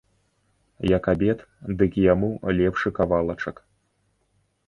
Як абед, дык яму лепшы кавалачак.